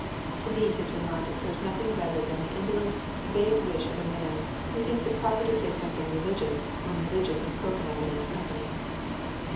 To me his remark ap pears nothing better than the indolent, vague wish of a man who thinks it proper to say something religious when rehgion is spoken of in his company.